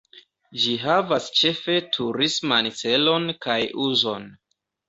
Ĝi havas ĉefe turisman celon kaj uzon.